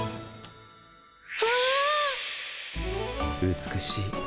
美しい。